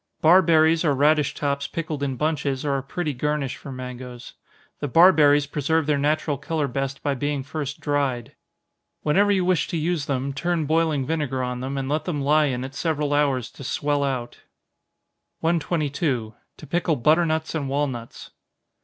Barberries or radish tops pickled in bunches, are a pretty garnish for mangoes. The barberries preserve their natural color best by being first dried. Whenever you wish to use them, turn boiling vinegar on them, and let them lie in it several hours to swell out. 122. _To Pickle Butternuts and Walnuts.